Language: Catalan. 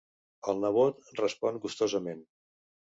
El nebot respon gustosament.